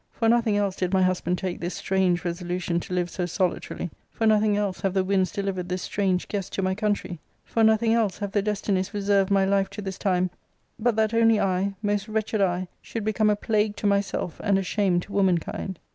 For nothing else did my husband take this strange resolution to live so solitarily ; for nothing else have the winds delivered this strange guest to my country ; for nothing else have the destinies reserved my life to this time, but that only I, most wretched I, should become a plague to myself, and a shame to womankind.